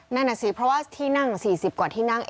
นั่นน่ะสิเพราะว่าที่นั่ง๔๐กว่าที่นั่ง